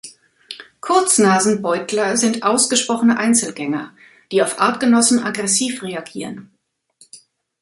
Kurznasenbeutler sind ausgesprochene Einzelgänger, die auf Artgenossen aggressiv reagieren.